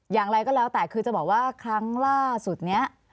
อย่างไรก็แล้วแต่คือจะบอกว่าครั้งล่าสุดนี้